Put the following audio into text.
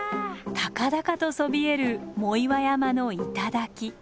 高々とそびえる藻岩山の頂。